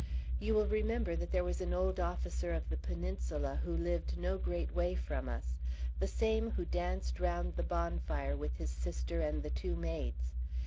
You will remember that there was an old officer of the Peninsula who lived no great way from us, the same who danced round the bonfire with his sister and the two maids.